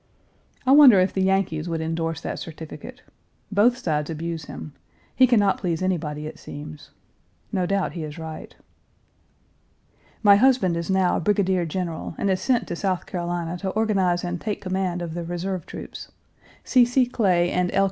I wonder if the Yankees would indorse that certificate. Both sides abuse him. He can not please anybody, it seems. No doubt he is right. My husband is now brigadier general and is sent to South Carolina to organize and take command of the reserve troops. C. C. Clay and L.